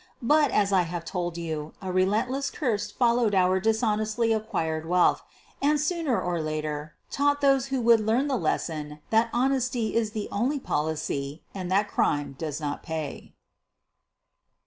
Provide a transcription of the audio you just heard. But, as I have told you, a relentless curse followed our dishonestly acquired wealth and, sooner or later, taught those who would learn the lesson that honesty m the only polioy and that crime does not pay.